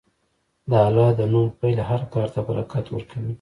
د الله د نوم پیل هر کار ته برکت ورکوي.